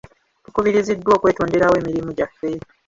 Tukubiriziddwa okwetonderawo emirimu gyaffe.